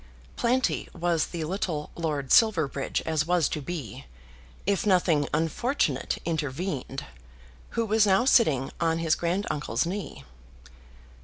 Planty was the little Lord Silverbridge as was to be, if nothing unfortunate intervened, who was now sitting on his granduncle's knee.